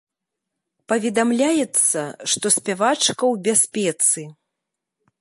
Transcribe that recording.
Паведамляецца, што спявачка ў бяспецы.